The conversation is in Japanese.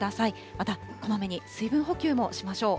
また、こまめに水分補給もしましょう。